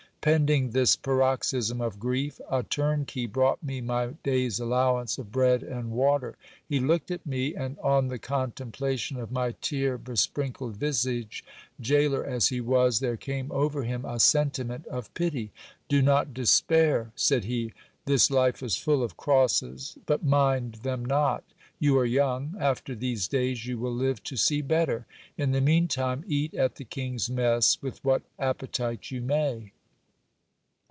Pending this paroxysm of grief, a turn key brought me my day's allowance of bread and water. He looked at me, and on the contemplation of my tear besprinkled visage, gaoler as he was, there came over him a sentiment of pity : Do not despair, said he. This life is full of crosses, but mind them not. You are young ; after these days, you will live to see better. In the mean time, eat at the king's mess, with what appetite you may.